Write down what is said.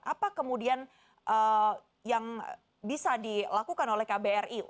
apa kemudian yang bisa dilakukan oleh kbri